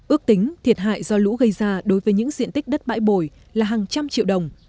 ước tính thiệt hại do lũ gây ra đối với những diện tích đất bãi bồi là hàng trăm triệu đồng